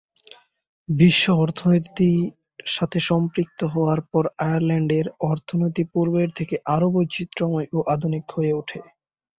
বিশ্ব অর্থনীতির সাথে সম্পৃক্ত হওয়ার পর আয়ারল্যান্ডের অর্থনীতি পূর্বের থেকে আরও বৈচিত্রময় ও অত্যাধুনিক হয়ে ওঠে।